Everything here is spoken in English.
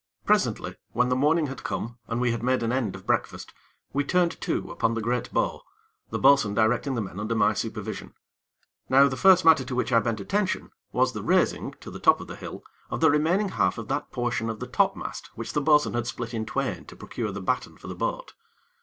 Presently, when the morning had come, and we had made an end of breakfast, we turned to upon the great bow, the bo'sun directing the men under my supervision. Now, the first matter to which I bent attention, was the raising, to the top of the hill, of the remaining half of that portion of the topmast which the bo'sun had split in twain to procure the batten for the boat.